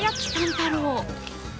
太郎。